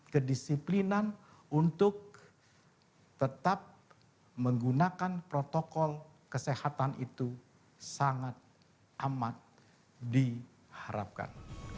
kedisiplinan untuk tetap menggunakan protokol kesehatan itu sangat amat diharapkan